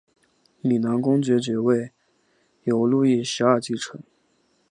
米兰公爵爵位由路易十二继承。